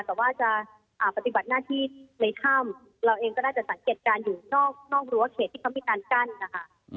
แต่ว่าจะปฏิบัติหน้าที่ในถ้ำเราเองก็น่าจะสังเกตการณ์อยู่นอกรั้วเขตที่เขามีการกั้นนะคะ